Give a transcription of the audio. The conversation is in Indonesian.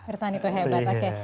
bertani itu hebat oke